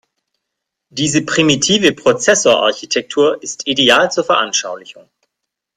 Diese primitive Prozessorarchitektur ist ideal zur Veranschaulichung.